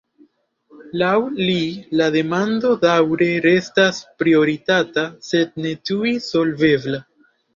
Laŭ li, la demando daŭre restas prioritata sed ne tuj solvebla.